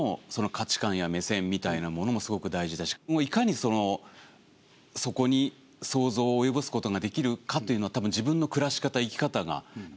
価値観や目線みたいなものもすごく大事だしいかにそこに想像を及ぼすことができるかというのはたぶん自分の暮らし方生き方が大事になってくるかなと思います。